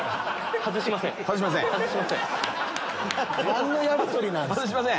外しません！